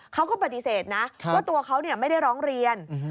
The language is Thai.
เขาก็ปฏิเสธนะว่าตัวเขาไม่ได้ร้องเรียน